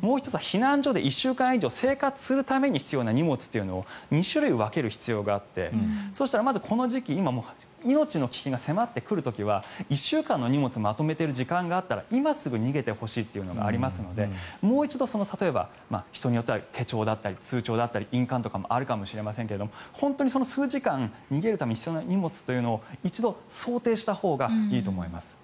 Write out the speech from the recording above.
もう１つは避難所で１週間以上生活するための荷物という２種類分ける必要があってそして、まずこの時期命の危機が迫ってくる時は１週間の荷物をまとめている時間があったら今すぐ逃げてほしいというのがありますのでもう一度、例えば人によっては手帳だったり通帳だったり印鑑とかもあるかもしれませんが本当にこの数時間逃げるために必要な荷物というのを一度、想定したほうがいいと思います。